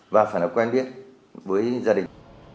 và phải là quen biết với gia đình